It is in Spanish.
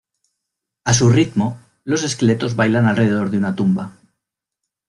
A su ritmo, los esqueletos bailan alrededor de una tumba.